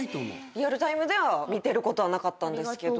リアルタイムでは見てることはなかったんですけど。